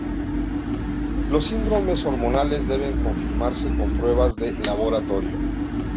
Los síndromes hormonales deben confirmarse con pruebas de laboratorio.